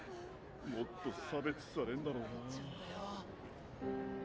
もっと差別されんだろうな。